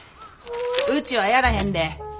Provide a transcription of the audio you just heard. うちはやらへんで。